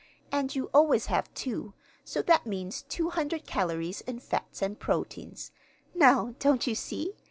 And you always have two, so that means 200 calories in fats and proteins. Now, don't you see?